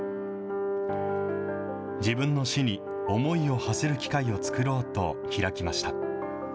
自分の死に思いをはせる機会を作ろうと、開きました。